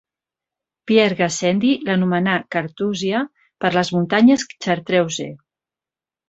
Pierre Gassendi l'anomenà Carthusia, per les muntanyes Chartreuse.